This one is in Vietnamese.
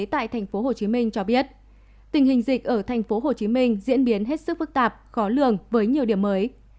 tại tp hcm cho biết tình hình dịch ở tp hcm diễn biến hết sức phức tạp khó lường với nhiều điểm mới